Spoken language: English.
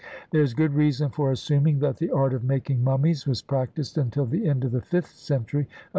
There is good reason for assuming that the art of making mummies was practised until the end of the fifth century of our era, and there is Plate XVir.